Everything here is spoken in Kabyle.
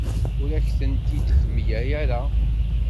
Ur akent-ten-id-temla ara.